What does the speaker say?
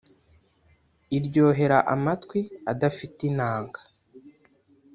Iryohera amatwi adafite inanga